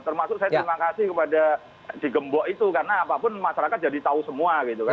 termasuk saya terima kasih kepada digembok itu karena apapun masyarakat jadi tahu semua gitu kan